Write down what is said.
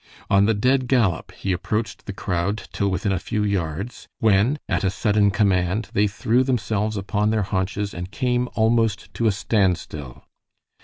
On the dead gallop he approached the crowd till within a few yards, when, at a sudden command, they threw themselves upon their haunches, and came almost to a standstill.